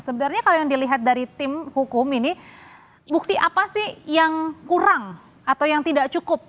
sebenarnya kalau yang dilihat dari tim hukum ini bukti apa sih yang kurang atau yang tidak cukup